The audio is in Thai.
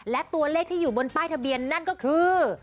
และตัวเลขที่อยู่บนป้ายทะเบียนนั่นก็คือ